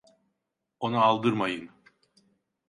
Ona aldırmayın.